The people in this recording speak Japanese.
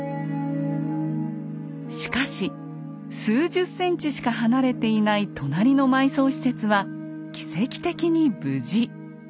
しかし数十センチしか離れていない隣の埋葬施設は奇跡的に無事。